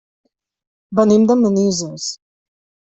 Venim de Manises.